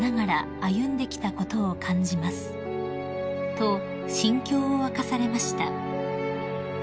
［と心境を明かされました］